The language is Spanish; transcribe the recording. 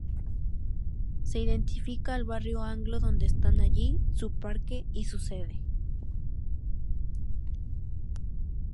Se identifica al Barrio Anglo, donde están allí su Parque y su sede.